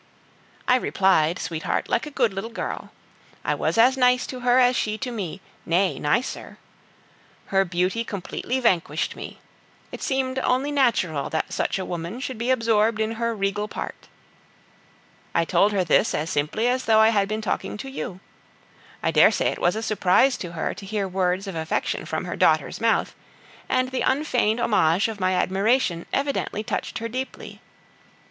I replied, sweetheart, like a good little girl. I was as nice to her as she to me, nay, nicer. Her beauty completely vanquished me; it seemed only natural that such a woman should be absorbed in her regal part. I told her this as simply as though I had been talking to you. I daresay it was a surprise to her to hear words of affection from her daughter's mouth, and the unfeigned homage of my admiration evidently touched her deeply.